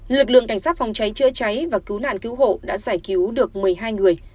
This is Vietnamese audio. lực lượng cảnh sát phòng cháy chữa cháy và cứu nạn cứu hộ đã giải cứu được một mươi hai người